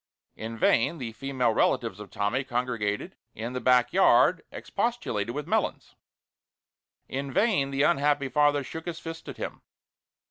In vain the female relatives of Tommy congregated in the back yard expostulated with Melons; in vain the unhappy father shook his fist at him.